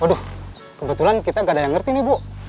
aduh kebetulan kita gak ada yang ngerti nih bu